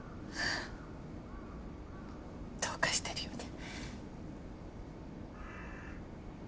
どうかしてるよね。